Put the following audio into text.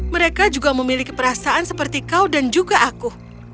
mereka juga memiliki perasaan seperti kau dan juga aku